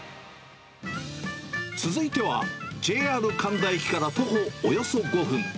続いては、ＪＲ神田駅から徒歩およそ５分。